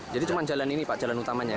jadi cuma jalan ini pak jalan utamanya